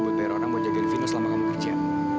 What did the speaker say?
buat bayar orang yang mau jagain vino selama kamu kerja